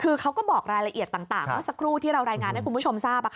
คือเขาก็บอกรายละเอียดต่างเมื่อสักครู่ที่เรารายงานให้คุณผู้ชมทราบ